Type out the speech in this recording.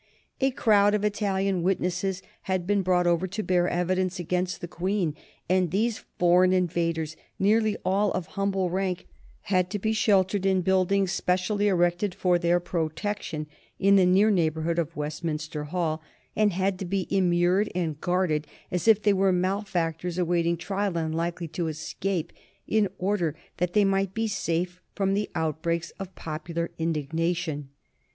A crowd of Italian witnesses had been brought over to bear evidence against the Queen, and these foreign invaders, nearly all of humble rank, had to be sheltered in buildings specially erected for their protection in the near neighborhood of Westminster Hall, and had to be immured and guarded as if they were malefactors awaiting trial and likely to escape, in order that they might be safe from the outbreaks of popular indignation.